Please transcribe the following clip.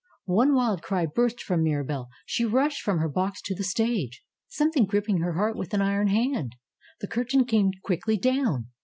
One wild cry burst from Mirabelle. She rushed from her box to the stage; something gripping her heart with an iron hand. The curtain came quickly down.